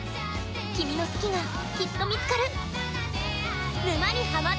君の好きがきっと見つかる。